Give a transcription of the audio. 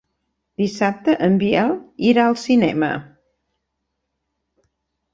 Dissabte en Biel irà al cinema.